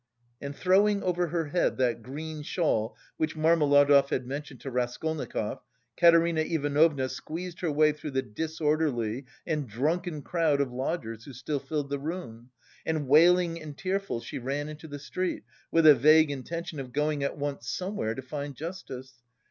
And throwing over her head that green shawl which Marmeladov had mentioned to Raskolnikov, Katerina Ivanovna squeezed her way through the disorderly and drunken crowd of lodgers who still filled the room, and, wailing and tearful, she ran into the street with a vague intention of going at once somewhere to find justice.